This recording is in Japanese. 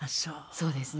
そうですね。